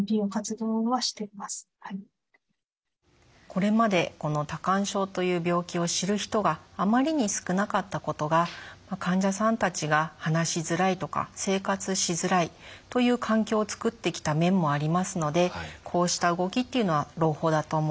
これまでこの多汗症という病気を知る人があまりに少なかったことが患者さんたちが話しづらいとか生活しづらいという環境を作ってきた面もありますのでこうした動きというのは朗報だと思います。